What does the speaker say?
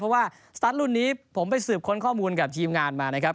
เพราะว่าสตาร์ทรุ่นนี้ผมไปสืบค้นข้อมูลกับทีมงานมานะครับ